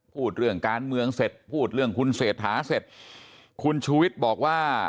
พูดเรื่องการเมืองเสร็จพูดเรื่องคุณเศรษฐาเสร็จคุณชูวิทย์บอกว่า